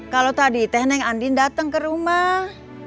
kalau tadi teh neng andin datang ke rumah